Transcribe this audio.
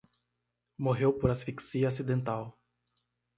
Morreu por asfixia acidental